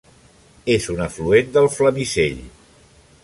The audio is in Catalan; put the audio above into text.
És un afluent del Flamisell.